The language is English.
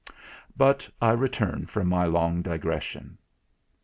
But I return from my long digression.